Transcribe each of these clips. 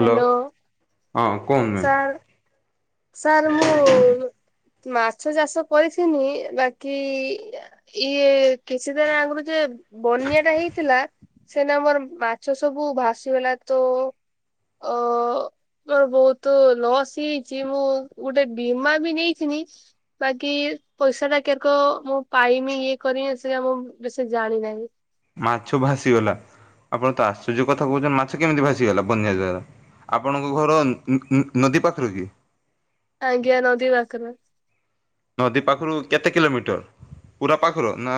Hello ହଁ କୁହନ୍ତୁ ma'am. Sir sir ମୁଁ ମାଛ ଚାଷ କରିଥିନି ବାକି ଇଏ କିଛି ଦିନ ଆଗରୁ ଯେ ବନ୍ୟା ଟା ହେଇଥିଲା ସେନାଗି ଆମର ମାଛ ସବୁ ଭାସିଗଲା ତ ଅ ମୋର ବହୁତ ଲସ୍ ହେଇ ମୁଁ ଗୋଟେ ବୀମା ବି ନେଇଥିନି ବାକି ପଇସା ଟା କେରକ ମୁଁ ପା ପାଇମିଁ ଇଏ କରିବି ସେଆ ବେସି ଜାଣିନାହିଁ। ମାଛ ଭାସିଗଲା ଆପଣ ତ ଆଶ୍ଚର୍ଯ୍ୟ କଥା କହୁଛନ୍ତି ମାଛ କେମିତି ଭାସିଗଲା ବନ୍ୟା ଦ୍ଵାରା ଆପଣଙ୍କ ଘର ନ-ନ-ନ ନଦୀ ପାଖରେ କି? ଆଜ୍ଞା ନଦୀ ପାଖରେ। ନଦୀ ପାଖରୁ କେତେ କିଲୋମିଟର ପୁରା ପାଖରୁ ନା?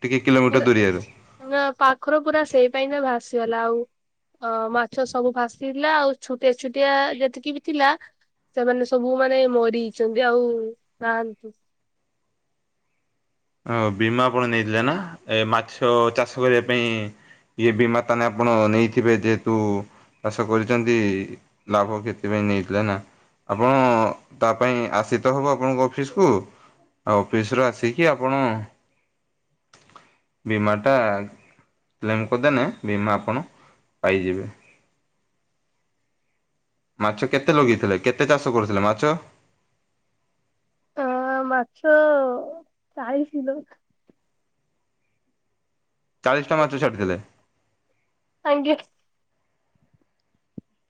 ଟିକେ କିଲୋମିଟର ପୁରା ଦୂରିଆରୁ? ନା ପାଖର ପୁରା ସେଇ ପାଇଁ ତ ଭାସିଗଲା ଆଉ ଅ ମାଛ ସବୁ ଭାସିଲା ଆଉ ଛୁଟିଆ ଛୁଟିଆ ଯେତିକି ବି ଥିଲା ସେମାନେ ସବୁ ମାନେ ମରିଛନ୍ତି ଆଉ ନାହାନ୍ତି। ହଁ ବୀମା ଆପଣ ନେଇଥିଲେ ନା ଏ ମାଛ ଚାଷ କରିବା ପାଇଁ ଇଏ ବିମା ତାହେଲେ ଆପଣ ନେଇଥିବେ ଯେହେତୁ ଚାଷ କରୁଚନ୍ତି ଲାଭ କ୍ଷତି ପାଇଁ ନେଇଥିଲେ ନା। ଆପଣ ତା ପାଇଁ ଆସି ତ ହବ ଆପଣଙ୍କ ଅଫିସକୁୁ ଆଉ ଅଫିସ ରୁ ଆସିି କି ଆପଣ ବୀମା ଟା କ୍ଲେମ କରିଦେନେ ବୀମା ଆପଣ ପାଇଯିବେ। ମାଛ କେତେ ଲଗେଇଥିଲେ କେତେ ଚାଷ କରୁଥିଲେ ମାଛ? ଆ ମାଛ ଚାଳିଶ କିଲୋ। ଚାଳିଶ ଟା ମାତ୍ର ଛାଡ଼ିଥିଲେ? ଆଜ୍ଞା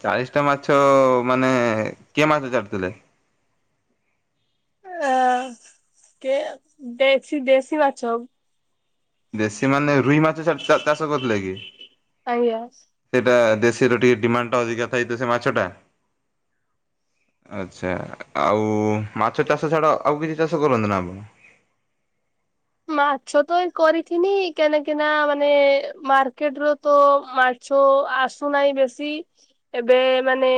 ଚାଳିଶ ଟା ମାଛ ମାନେ କିଏ ମାଛ ଛାଡ଼ିଥିଲେ? ଆ କେ ଦେଶୀ ଦେଶୀ ମାଛ। ଦେଶୀ ମାନେ ରୁହି ମାଛ ଛାଡ଼ ଚା ଚାଷ କରୁଥିଲେ କି ଆଜ୍ଞା। ସେଟା ଦେଶୀର ଟିକେ ଡିମାଣ୍ଡ ଟା ଅଧିକା ଥଏ ତ ସେ ମାଛ ଟା। ଆଚ୍ଛା ଆଉ ମାଛ ଚାଷ ଛାଡ ଆଉ କିଛି ଚାଷ କରନ୍ତି ନା ଆପଣ? [inaudible] ମାଛ ତ ଏ କରିଥିନି କେନେ କେନା ମାନେ ମାର୍କେଟ ର ତ ମାଛ ଛ ଆସୁନାହିଁ ବେଶୀ ଏବେ ମାନେ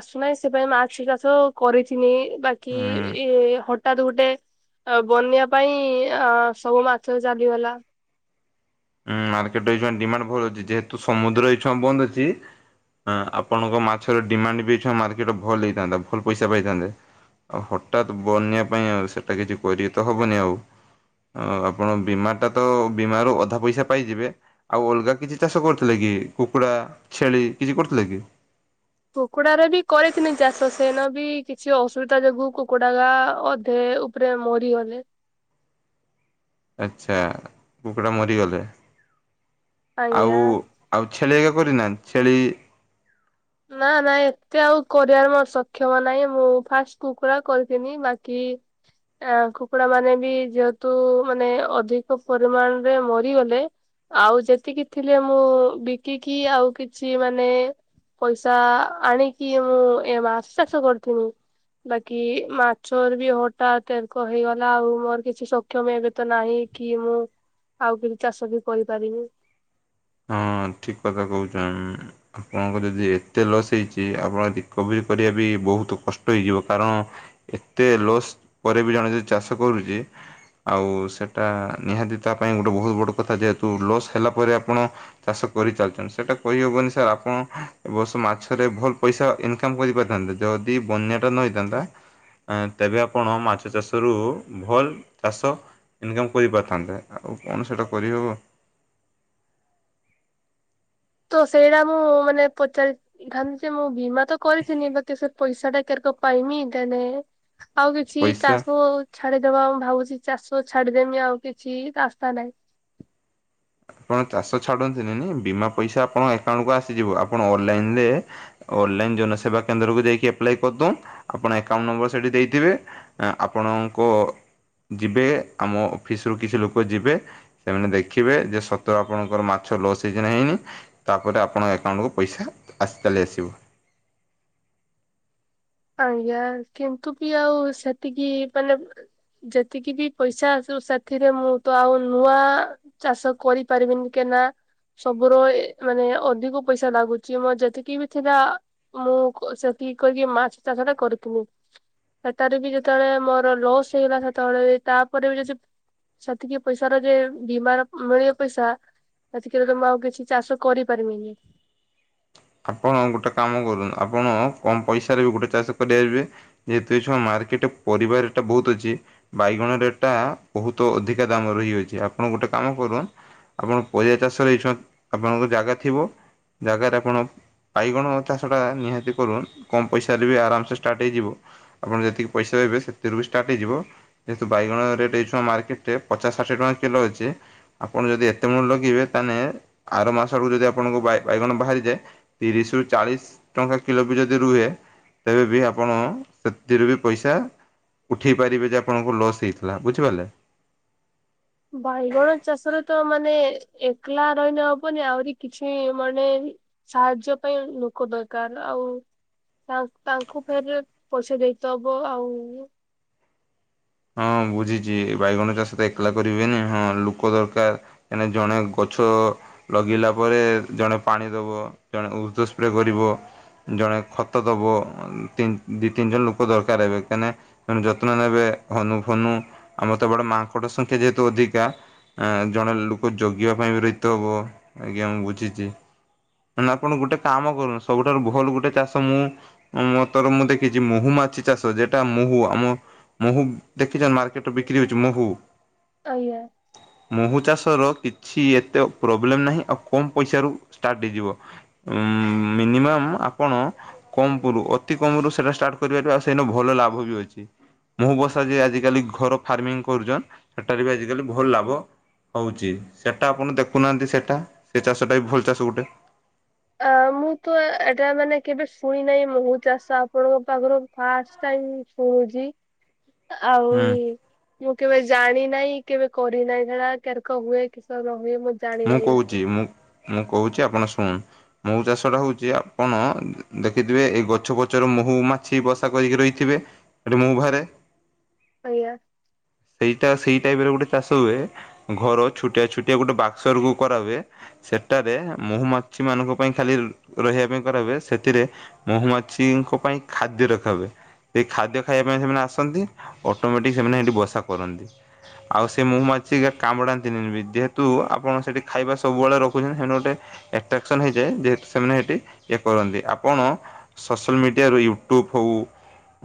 ଆସୁନାହିଁ ସେ ପାଇଁ ମାଛ ଚାଷ ତ କରିଥିନି ବାକି ହୁଁ ଇଏ ହଠାତ୍ ଗୁଟେ ବନ୍ୟା ପାଇଁ ଆଁ ସବୁ ମାଛ ଚାଲିଗଲା ଉଁ ମାର୍କେଟ ଏଇଥି ପାଇଁ ଡିମାଣ୍ଡ ଭଲ ଅଛି ଯେହେତୁ ସମୁଦ୍ର ଏଇଛୁଆ ବନ୍ଦ ଅଛି ହ ଆପଣଙ୍କ ମାଛର ଡିମାଣ୍ଡ ବି ଏଖୁନି ମାର୍କେଟ ଭଲ ହେଇଥାନ୍ତା ଭଲ ପଇସା ପାଇଥାନ୍ତେ। ଆଉ ହଠାତ୍ ବନ୍ୟା ପାଇଁ ଆଉ ସେଇଟା କିଛି କରିତ ହବନି ଆଉ ଆପଣ ବୀମା ଟା ତ ବୀମ ର ଅଧା ପଇସା ସା ପାଇଯିବେ ଆଉ ଅଲଗା କିଛି ଚାଷ କରୁଥିଲେ କି କୁକୁଡ଼ା, ଛେଳି କିଛି କରୁଥିଲେ କି? କୁକୁଡା ର ବି କରିିଥିନି ଚାଷ ସେନ ବି କିଛି ଅସୁବିଧା ଯୋଗୁ କୁକୁଡା ଗା ଅଧେ ଉପରେ ମରିଗଲେ [inaudible] ଆଛା କୁକୁଡା ମରିଗଲେ ଆଜ୍ଞା। ଆଉ ଆଉ ଛେଲି ଏଗା କରିନାହାନ୍ତି ଛେଳି ନା ନା ଏତେ ଆଉ କରିବାର ମୋର ସକ୍ଷମ ନାହିଁ ମୁଁ ଫାଷ୍ଟ କୁକୁଡ଼ା କରିଥିଲି ବାକି ହିଁ। ଆ କୁକୁଡା ମାନେ ବି ଯେହେତୁ ମାନେ ଅଧିକ ପରିମାଣ ରେ ମରିଗଲେ ଆଉ ଯେତିକି ଥିଲେ ମୁଁ ବିକିକି ଆଉ କିଛି ମାନେ ପଇସା ଆଣିକି ମୁଁ ଏ ମାଛ ଚାଷ କରିଥିନି। ବାକି ମାଛର ବି ହଠାତ୍ ଏରକ ହେଇଗଲା ଆଉ ମୋର କିଛି ସକ୍ଷମ ଏବେ ତ ନାହିଁ କି ମୁଁ ଆଉ କିଛି ଚାଷ ବି କରିପାରିବି ହଁ। ହଁ ଠିକ କଥା କହୁଛ, ଆପଣଙ୍କ ଯଦି ଏତେ ଲସ୍ ହେଇଛି ଆପଣ ରିକଭରି କରିବା ବି ବହୁତ କଷ୍ଟ ହେଇଯିବ କାରଣ ଏତେ ଲସ୍ ପରେ ବି ଜଣେ ଯଦି ଚାଷ କରୁଛି। ଆଉ ସେଟା ନିହାତି ତା ପାଇଁ ଗୋଟେ ବହୁତ ବଡ କଥା। ଯେହେତୁ ଲସ୍ ହେଲା ପରେ ଆପଣ ଚାଷ କରିଚାଲିଛନ୍ତି। ସେଟା କହିହବନି ସାର୍ ଆପଣ ଏବର୍ଷ ମାଛରେ ଭଲ ପଇସା ଇନକମ କରିପାରିଥାନ୍ତି। ଯଦି ବନ୍ୟାଟା ନହେଇଥାନ୍ତା। ତେବେ ଆପଣ ମାଛଚାଷରୁ ଭଲ ଚାଷ ଇନକମ୍ କରିପାରିଥାନ୍ତେ, ଆଉ କଣ ସେଟା କରିହେବ ତ ସେଇଟା ମୁଁ ମାନେ ପଚାରିଥାନ୍ତି ଯେ ମୁଁ ବୀମା ତ କରିିଥିନି ବାକି ସେ ପଇସାଟା କେ ପାଇମି ତାେ ଆଉ କିଛି ପଇସା ଚାଷ ଛାଡିଦବା ମୁ ଭାବୁଛି। ଚାଷ ଛାଡଦେମି ଆଉ କିଛି ଆଶା ନାହିଁ। ଆପଣ ଚାଷ ଛାଡନ୍ତୁନି ବୀମା ପଇସା ଆପଣଙ୍କ ଆକାଉଣ୍ଟକୁ ଆସିଯିବ ଆପଣ ଅନ୍ଲାଇନରେ ଅନଲାଇନ୍ ଜନସେବା କେନ୍ଦ୍ରକୁ ଯାଇକି ଆପ୍ଲାଏ କରିଦବୁ ଆପଣ ଆକାଉଣ୍ଟ ନମ୍ବର ସେଠି ଦେଇଥିବେ ଆପଣ ଯିବେ, ଆମ ଅଫିସରୁ କିଛି ଲୋକ ଯିବେ ସେମାନେ ଦେଖିବେ ଯେ ଆପଣଙ୍କର ମାଛ ଲସ ହେଇଚି ନା ହେଇନି ତାପରେ ଆପଣଙ୍କ ଆକାଉଣ୍ଟକୁ ପଇସା ଚାଲି ଆସିବ। [unintelligible] ଆଜ୍ଞା କିନ୍ତୁ ବି ଆଉ ସେତିକି ମାନେ ଯେତିକି ବି ପଇସା ଆସିବ ସେଥିରେ ମୁଁ ତ ଆଉ ନୂଆ ଚାଷ କରିପାରିବିନି କେ ନା। ସବୁର ମାନେ ଅଧିକ ପଇସା ଲାଗୁଛି ମୋର ଯେତିକି ବି ଥିଲା ମୁଁ କି କରିକି ମାଛଚାଷଟା କରୁଥିଲି। ସେଟାରେ ବି ଯେତେବେଳେ ମୋର ଲସ୍ ହେଇଗଲା ସେତେବେଳେ ତାପରେ ବି ଯଦି ସେତିକି ପଇସାର ଯେ ବୀମାର ମିଳିବ ପଇସା ଏତିିକରେ ତ ମୁଁ ଆଉ କିଛି ଚାଷ କରିପାରିବିନି। ଆପଣ ଗୋଟେ କାମ କରନ୍ତୁ ଆପଣ କମ ପଇସାରେ ବି ଗୋଟେ ଚାଷ କରିପାରିବେ ଯେହେତୁ ଏ ଛୁଆ ମା ପରିବା ରେଟ ବହୁତ ଅଛି, ବାଇଗଣ ରେଟଟା ବହୁତ ଅଧିକା ଦାମ ରହିଯାଉଛି ଆପଣଙ୍କର ଗୋଟେ କାମ କର ଆପଣ ପରିବା ଚାଷରେ ହେଇ ଆପଣଙ୍କ ଜାଗା ଥିବ ଜାଗାରେ ଆପଣ ବାଇଗଣ ଚାଷଟା ନିହାତି କରୁ କମ ପଇସାରେ ବି ଆରାମସେ ଷ୍ଟାର୍ଟ ହେଇଯିବ ଆପଣ ଯେତିକି ପଇସା ପାଇବେ ସେଥିରୁ ବି ଷ୍ଟାର୍ଟ ହେଇଯିବ ଯେହେତୁ ବାଇଗଣ ରେଟ୍ ଏଇକ୍ଷିଣା ମାର୍କେଟ ରେ ପଚାଶ ଷାଠିଏ ଟଙ୍କା କିଲୋ ଅଛି। ଆପଣ ଯଦି ଏତେ ମୂଳ ଲଗେଇବେ ତାହେଲେ ଆର ମାସ ଆଡ଼କୁ ଯଦି ଆପଣଙ୍କ ବାଇଗଣ ବାହାରିଯାଏ। ତିରିଶରୁ ଚାଳିଶ ଟଙ୍କା କିଲୋ ବି ଯଦି ରୁହେ। ତେବେ ବି ଆପଣ ସେଥିରୁ ବି ପଇସା ଉଠେଇ ପାରିବେ ଯେ ଆପଣଙ୍କୁ ଲସ୍ ହେଇଥିଲା ବୁଝିପାରିଲେ। ବାଇଗଣ ଚାଷରେ ତ ମାନେ ଏକଲା ରହିନ ହବନି ଆହୁରି କିଛି ମାନେ ସାହାଯ୍ୟ ପାଇଁ ଲୋକ ଦରକାର ଆଉ ତାଙ୍କୁ ଫେର ପଇସା ଦେଇଥବ ଆଉ ହଁ ବୁଝିଛି ବାଇଗଣ ଚାଷ ତ ଏକଲା କରିବେନି ହଁ ଲୋକ ଦରକାର ଜଣେ ଗଛ ଗଛ ଲଗେଇଲା ପରେ ଜଣେ ପାଣି ଦବ ଜଣେ ଉର୍ଦ୍ଧ ସ୍ପ୍ରେ କରିବ। ଜଣେ ଖତ ଦବ ଦି ତିନି ଜଣ ଲୋକ ଦରକାର ହେବେ କାହିଁକ ଯତ୍ନ ନେବେ। ହନୁ ଫନୁ ଆମର ତ ବଡ ମାଙ୍କଡ ସଂଖ୍ୟା ଯେହେତୁ ଅଧିକା, ଆ ଜଣେ ଲୋକ ଜଗିବା ପାଇଁ ବି ରହିତେ ହବ ଆଜ୍ଞା ମୁଁ ବୁଝିଛି। ନା ଆପଣ ଗୋଟେ କାମ କରୁନ ସବୁଠାରୁ ଭଲ ଗୋଟେ ଚାଷ ମୁଁ ମ ତର ମୁଁ ଦେଖିଛି ମହୁମା ମାଛିଚାଷ ଯେଟା ମହୁ ଆମ ମହୁ ଦେଖିଛ ମାର୍କେଟରେ ବିକ୍ରି ହଉଛି ମହୁ ମହୁ ଆଜ୍ଞା ଚାଷ। ମହୁଚାଷ ର କିଛି ଏତେ ପ୍ରୋବ୍ଲେମ ନାହଁ ଆଉ କମ ପଇସାରୁ ଷ୍ଟାର୍ଟ ହେଇଯିବ। ମିନିମମ ଆପଣ କମ ଅତି କମରୁ ସେଇଟା ଷ୍ଟାର୍ଟ କରିପାରିବେ। ଆଉ ସେଇଟା ଭଲ ଲାଭ ବି ଅଛି। ମୁଁ ବସା ଯେ ଆଜିକାଲି ଘର ଫାର୍ମିଂ କରୁଛନ୍ ସେଟାରେ ବି ଆଜିକାଲି ଭଲ ଲାଭ। ହଉଛି ସେଟା ଆପଣ ଦେଖୁନାହାନ୍ତି ସେଟା ସେ ଚାଷଟା ବି ଭଲ ଚାଷ ଗୋଟେ। ଅ ମୁଁ ତ ଏଟା ମାନେ କେବେ ଶୁଣି ନାହିଁ ମହୁ ଚାଷ ଆପଣଙ୍କ ପାଖରୁ ଫାଷ୍ଟ ଶୁଣୁଛି। ଆ ଆଉ ମୁଁ କେବେ ଜାଣି ନାହିଁ କେବେ କରିନାହିଁ ସେ କୋରକ ହୁଏ କିହ ମୁଁ କହୁଛି ମୁଁ ମୁଁ କହୁଛି ଆପଣ ଶୁଣ ମହୁ ଚାଷ ଟା ହଉଛି ଆପଣ ଦେଖିଥିବେ ଏଇ ଗଛ ପଛରୁ ମହୁ ମାଛି ବସା କରିକି ରହିଥିବେ। ମୁ ଭାରେ ଆଜ୍ଞା। ସେଇଟା ସେଇ ଟାଇପରେ ଗୋଟେ ଚାଷ ହୁଏ ଘର ଛୋଟିଆ ଛୋଟିଆ ଗୋଟେ ବାକ୍ସର କ କରା ହୁଏ ସେଟାରେ ମହୁମାଛି ମାନଙ୍କ ପାଇଁ ଖାଲି ରହିବା ପାଇଁ କରା ହଏ ସେଥିରେ ମହୁମାଛିଙ୍କ। ପାଇଁ ଖାଦ୍ୟ ରଖାହୁଏ ସେ ଖାଦ୍ୟ ଖାଇବା ପାଇଁ ସେମାନେ ଆସନ୍ତି ଅଟୋମେଟିକ ସେମାନେ ସେଠି ବସା କ କରନ୍ତି ଆଉ ସେ ମହୁ ମାଛି ଏକା କାମୁଡ଼ାନ୍ତିନି ବି ଯେହେତୁ ଆପଣ ଖାଇବା ସବୁବେଳେ ରଖୁ ସେମାନେ ଗୋଟେ ଆଟ୍ରାକ୍ସନ ହେଇଯାଏ ଯେହେତୁ ସେମାନେ ସେଠି ଏ କରନ୍ତି ଆପଣ ସୋସିଆଲ ମିଡି ଡିଆ ରୁ ୟୁ ଟ୍ୟୁବ୍ ହଉ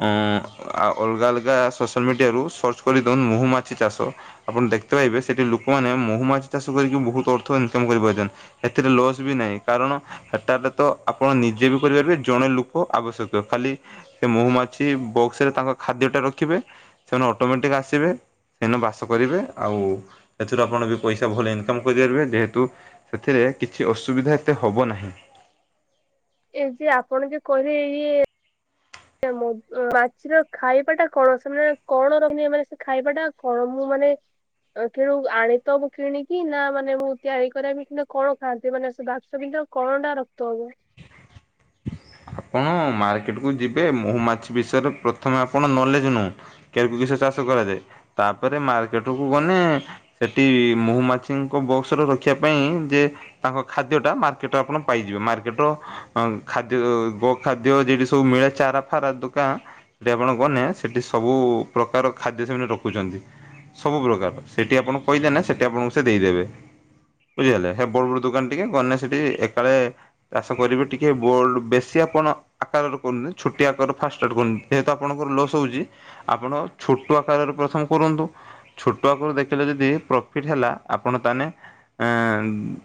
ଆଁ ଆଉ ଅଲଗା ଆଲାଗ ସୋସିଆଲ ମିଡିଆ ରୁ ସର୍ଚ୍ଚ ନ ମହୁ ମାଛି ଚାଷ ଆପଣ ଦେଖିତେ ପାଇବେ ସେଠି ଲୋକମାନେ ମହୁମାଛି ଚାଷ କରିକି ବହୁ ଅର୍ଥ ଇନ ପାରୁଛନ୍ତି ଏଥିରେ ଲସ୍ ବି ନାହିଁ କାରଣ ଏଟାରେ ତ ଆପଣ ନିଜେ ବି କରିପାରିବେ ଜଣେ ଲୁକ। ଆବଶ୍ୟକ ଖାଲି ସେ ମହୁମାଛି ବକ୍ସ ରେ ତାଙ୍କ ଖାଦ୍ୟ ଟା ରଖିବେ ସେମାନେ ଅଟୋମେଟିକ ଆ ଆସିବେ ସେନ ବାସ କରିବେ ଆଉ ସେଥିରୁ ଆପଣ ବି ପଇସା ଭଲ ଇନକମ୍ କରିପାରିବେ ଯେହେତୁ ସେଥିରେ କିଛି ଅସୁବିଧା ଏତେ ହବ ନାହିଁ। ଏ ଯେ ଆପଣ ଜେ କରିଏ ଇଏ ମ ମାଛିର ଖାଇବା ଟା କଣ ସେମାନେ କଣ ରଖିନେ ମାନେ ସେ ଖାଇବା ଟା କଣ ମୁଁ ମା [unintelligible] କିଣୁ ଆଣିତ ମୁଁ କିଣିକି ନା ମାନେ ମୁଁ ତିଆରି କରିବି କି କଣ ଖାଆନ୍ତି ମାନେ ସେ ବାକ୍ସ ବି କଣ୍ଟା ରଖିତେ ହବ। ଆପଣ ମାର୍କେଟ କୁ ଯିବେ ମହୁ ମାଛି ବିଷୟରେ ପ୍ରଥମେ ଆପଣ ନଲେଜ ନୁ କେ। [unintelligible] ଚାଷ କରାଯାଏ ତାପରେ ମାର୍କେଟ କୁ ଗନେ ସେଠି ମହୁମାଛିଙ୍କ ବକ୍ସ ରେ ରଖି ପାଇଁ ଯେ ତାଙ୍କ ଖାଦ୍ୟ ଟା ମାର୍କେଟରେ ଆପଣ ପାଇଯିବେ ମାର୍କେଟ। ଖାଦ୍ୟ ଗୋ ଖାଦ୍ୟ ଯଉଠି ସବୁ ମିଳେ ଚାରା ଫାରା ଦୋକା ସେଠି ଆପଣ ଗନେ ସେଠି ସ ସବୁ ପ୍ରକାର ଖାଦ୍ୟ ସେମାନେ ରଖୁଚନ୍ତି। ସବୁ ପ୍ରକାର ସେଠି ଆପଣଙ୍କୁ କହିଦେ ନା ସେଠି ଆପଣଙ୍କୁ ସେ ଦେଇଦେବେ। ବୁଝିଗଲେ ହେ ବଡ଼ ବଡ଼ ଦୋକାନ ଟିକେ ଗନେ ସେଠି ଏକାଳେ ଚାଷ କରିବି ଟି କେ ବୋଲ୍ଡ ବେଶୀ ଆପଣ ଆକାରରେ କରୁନି ଛୋଟି ଆ କର ଫାଷ୍ଟ ଷ୍ଟାର୍ଟ କରୁନ୍ତି ଯେହେତୁ ଆପଣଙ୍କର ଲସ୍ ହଉଛି। ଆପଣ ଛୋଟ ଆକାରରେ ପ୍ରଥମେ କରନ୍ତୁ ଛୋଟ ଆକାର ଦେଖିଲେ ଯଦି ପ୍ରଫିଟ୍ ହେଲା ଆ ଆପଣ ତାହେନେ ଆଁ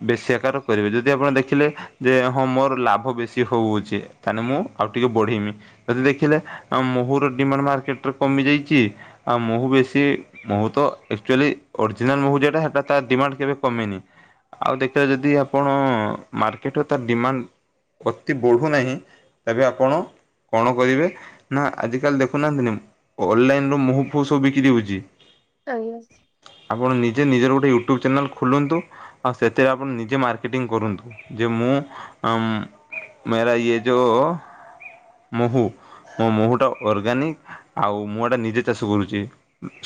ବେଶି ଆକାର କରିବେ ଯଦି ଆପଣ ଦେଖିଲେ ଯେ ହଁ ମୋର ଲା ଭ ବେଶୀ ହଉଛି ତାହେନେ ମୁଁ ଆଉ ଟିକେ ବଢିମି ଯଦି ଦେଖିଲେ ମହୁ ଡିମାଣ୍ଡ ମାର୍କେଟ ରେ। କମି ଯାଇଛି ଆଉ ମହୁ ବେଶୀ ମହୁ ତ ଏକଚୁଆଲି ଅରିଜିନାଲ ମହୁ ଯେଟା ହେଟା ତା ଡିମାଣ୍ଡ କେବେ କମେନି ଆଉ ଦେଖିବା ଯଦି ଆପଣ ମାର୍କେଟରେ ତାର ଡିମାଣ୍ଡ ଅତି ବଢ଼ୁନାହିଁ ତେବେ ଆପଣ କଣ କରିବେ ନା ଆଜିିକାଲି ଦେଖୁନାହାନ୍ତି ନା ଅନଲାଇନ ରୁ ମହୁ ଫୁହ ସବୁ ବିକ୍ରି ହଉଛି। ଆଜ୍ଞା। ଆପଣ ନିଜେ ନିଜର ଗୋଟେ ୟୁଟ୍ୟୁବ ଚ୍ୟାନେଲ୍ ଖୋଲନ୍ତୁ ଆଉ ସେଥିରେ ଆପଣ ନିଜେ ମାର୍କେଟିଂ କରନ୍ତୁ ଯେ ମୁଁ ଅଁ ମେରା ୟେ ଯୋ ମହୁ ମୋ ମହୁ ଟା ଅର୍ଗାନିକ ଆଉ ମୁଁ ଜଟା ନିଜେ ଚାଷ କରୁଛି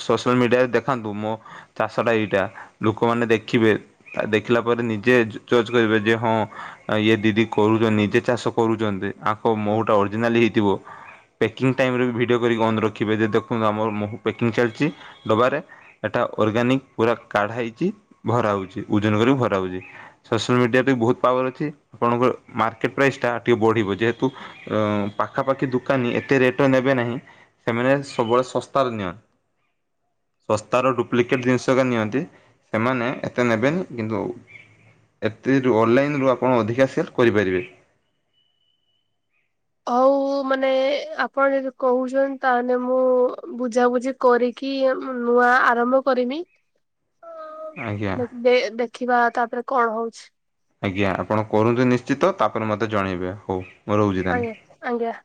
ସ ସାଲ ମିଡିଆରେ ଦେଖାନ୍ତୁ ମୋ ଚାଷଟା ଏଇଟା ଲୋକମାନେ ଦେଖିବେ ଦେଖିଲା ପରେ ନିଜେ ଜଜ କରିବେ ଯେ ହଁ ଇଏ ଦିଦି କରୁଛନ୍ତି ନିଜେ ଚାଷ କରୁଛନ୍ତି ଆଙ୍କ ମ ଅରିଜିନାଲି ହେଇଥିବ। ପ୍ୟାକିଂ ଟାଇମ ରେ ବି ଭିଡିଓ କରିକି ଅନ ରଖିବେ ଯଦି ଦେଖନ୍ତୁ ଆମର ମହୁ ପ୍ୟାକିଂ ଚାଲିଛି ଡବା ରେ ଏଟା ଅର୍ଗାନିକ ପୁରା କାଢା ହେଇଛି ଭରା ହଉଛି ଓଜନ କରି ଭରା ହଉଛି ସୋସିଆଲ ମିଡିଆରେ ବହୁତ ପାୱାର ଅଛି ଆପଣଙ୍କର ମାର୍କେଟ ପ୍ରାଇସ୍ ଟା ଟିକେ ବଢିବ ଯେହେତୁ ଅ ପାଖାପାଖି ଦୋକାନୀ ଏତେ ରେଟ ନେବେ ନାହିଁ ସେମାନେ ସବୁବେଳେ ଶସ୍ତାରେ ନିଅ। ଶସ୍ତାର ଡୁପ୍ଲିକେଟ୍ ଜିନିଷ ଏକା ନିଅନ୍ତି ସେମାନେ ଏତେ ନେବେନି କିନ୍ତୁ। ଏତିରୁ ଅନଲାଇନ ରୁ ଆପଣ ଅଧିକା ସେଲ କରିପାରିବେ। ହଉ ମାନେ ଆପଣ ଯଦି କହୁଛନ୍ତି ତାହେନେ ମୁଁ ବୁଝାବୁଝି କରିକି। ନୂଆ ଆରମ୍ଭ କରିମି। ଆଜ୍ଞା। ଦେ ଦେଖିବା ତାପରେ କଣ ହଉଛି। ଆଜ୍ଞା ଆପଣ କରନ୍ତୁ ନିଶ୍ଚିତ ତାପରେ ମତେ ଜଣେଇବେ ହଉ। ରହୁଛି ତାହେଲେ। ଆଜ୍ଞା ଆଜ୍ଞା।